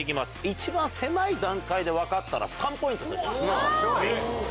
一番狭い段階で分かったら３ポイント差し上げます。